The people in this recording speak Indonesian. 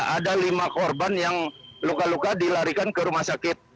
ada lima korban yang luka luka dilarikan ke rumah sakit